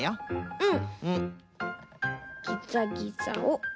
うん。